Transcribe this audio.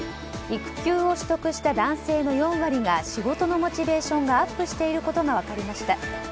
育休を取得した男性の４割が仕事のモチベーションがアップしていることが分かりました。